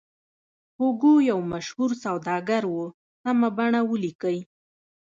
هوګو یو مشهور سوداګر و سمه بڼه ولیکئ.